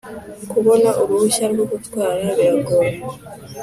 Kubona uruhushya rwogutwara biragora